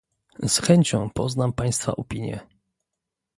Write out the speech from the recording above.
Z chęcią poznam państwa opinie